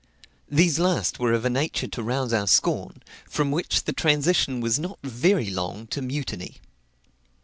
These last were of a nature to rouse our scorn, from which the transition was not very long to mutiny.